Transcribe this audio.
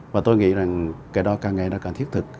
và tôi nghĩ rằng cái đó càng ngày nó càng thiết thực